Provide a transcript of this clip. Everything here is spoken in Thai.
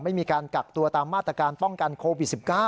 ไม่มีการกักตัวตามมาตรการป้องกันโควิด๑๙